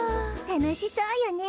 たのしそうよね